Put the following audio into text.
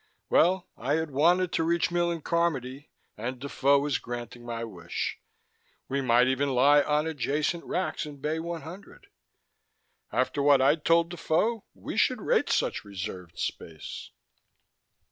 Well, I had wanted to reach Millen Carmody, and Defoe was granting my wish. We might even lie on adjacent racks in Bay 100. After what I'd told Defoe, we should rate such reserved space!